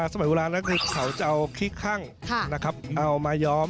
สมัยเวลานั้นเขาจะเอาขี้ครั่งนะครับเอามาย้อม